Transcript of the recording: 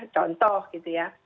contoh gitu ya